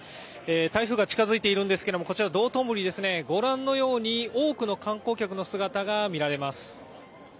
台風が近づいているんですけどこちら道頓堀多くの観光客の姿がみられます。